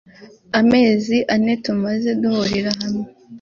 amezi ane tumaze duhurira hamwe